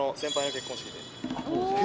結婚式で。